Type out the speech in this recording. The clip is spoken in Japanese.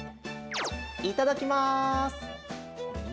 いただきます。